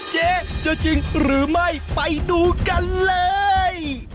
เจ๊จะจริงหรือไม่ไปดูกันเลย